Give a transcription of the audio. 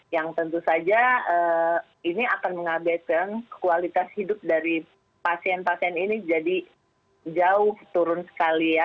yang tentu saja ini akan mengabaikan kualitas hidup dari pasien pasien ini jadi jauh turun sekali ya